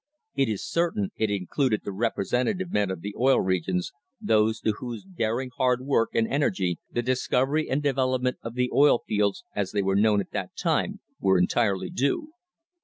It is certain it included the representative men of the Oil Regions, those to whose daring, hard work, and energy the discovery and development of the oil fields, as they were known at that time, were entirely due.